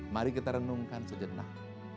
mari kita renungkan sejenak